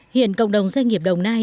hiện cộng đồng doanh nghiệp đồng nai